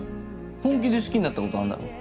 本気で好きになったことあんだろ？